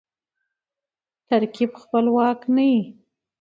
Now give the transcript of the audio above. ترکیب خپلواک نه يي.